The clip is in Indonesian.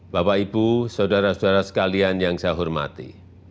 bapak ibu saudara saudara sekalian yang saya hormati